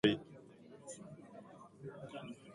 Smolan High School was closed through school unification.